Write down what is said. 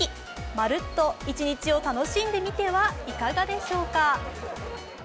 まるっと一日を楽しんでみてはいかがでしょうか？